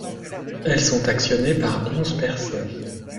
Elles sont actionnées par onze personnes.